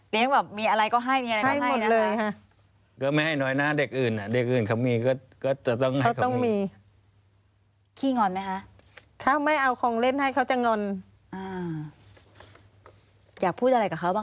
เลี้ยงแบบมีอะไรก็ให้มีอะไรก็ให้นะคะ